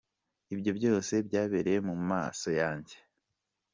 Ibyo byose byabereye mu maso yanjye.